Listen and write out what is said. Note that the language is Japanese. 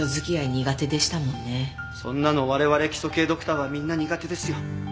そんなの我々基礎系ドクターはみんな苦手ですよ。